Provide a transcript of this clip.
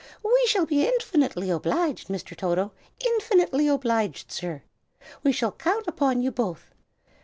"We shall be infinitely obliged, Mr. Toto, infinitely obliged, sir! We shall count upon you both.